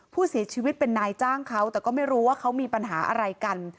ผู้เสียชีวิตเป็นนายจ้างเขาแต่ก็ไม่รู้ว่าเขามีปัญหาอะไรกัน